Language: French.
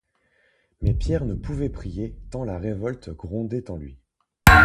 Mais Pierre ne pouvait prier, tant la révolte grondait en lui.